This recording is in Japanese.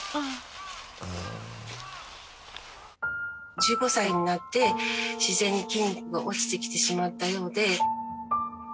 １５歳になって自然に筋肉が落ちてきてしまったようで。